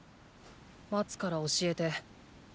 待つから教えて。